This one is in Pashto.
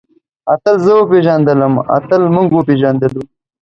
اتل زه وپېژندلم. اتل موږ وپېژندلو.